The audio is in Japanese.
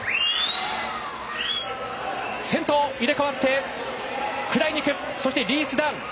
先頭入れ替わってクライニクそしてリース・ダン。